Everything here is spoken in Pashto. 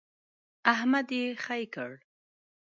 احمد يې خې کړ.